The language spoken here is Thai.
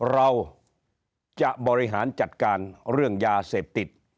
เราจะบริหารจัดการเรื่องยาเสพติด